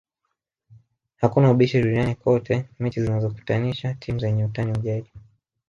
Hakuna ubishi duniani kote mechi zinazokutanisha timu zenye utani wa jadi